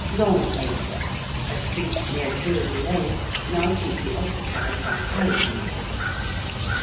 ~Long Acre~: a street near Drury Lane, now chiefly occupied by carriage makers.